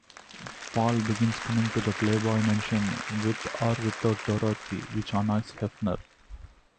Paul begins coming to the Playboy Mansion, with or without Dorothy, which annoys Hefner.